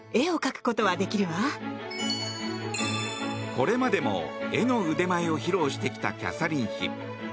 これまでも絵の腕前を披露してきたキャサリン妃。